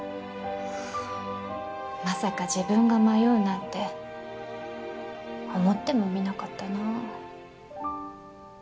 まさか自分が迷うなんて思ってもみなかったなあ。